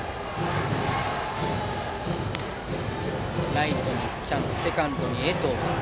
ライトに喜屋武、セカンドに江藤。